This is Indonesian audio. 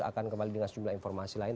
akan kembali dengan sejumlah informasi lain